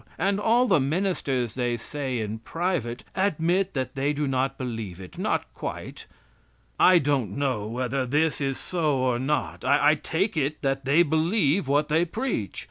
And all the ministers they say in private, admit that they do not believe it, not quite." I don't know whether this is so or not. I take it that they believe what they preach.